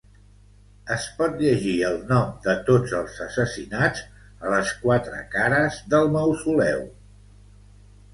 Es pot llegir el nom de tots els assassinats a les quatre cares del mausoleu.